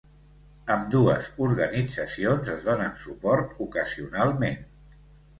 Ambdues organitzacions es donen suport ocasionalment.